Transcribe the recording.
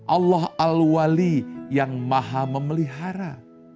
allah al wali yang maha memelihara